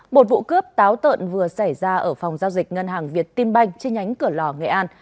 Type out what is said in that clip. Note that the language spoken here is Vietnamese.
một vụ cướp táo tợn vừa xảy ra ở phòng giao dịch ngân hàng việt tim banh trên nhánh cửa lò nghệ an